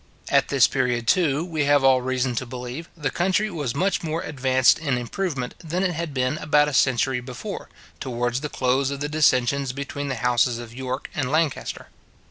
At this period, too, we have all reason to believe, the country was much more advanced in improvement, than it had been about a century before, towards the close of the dissensions between the houses of York and Lancaster.